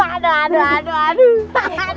aduh aduh aduh